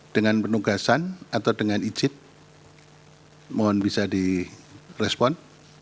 dengan penugasan atau dengan icit mohon bisa di respon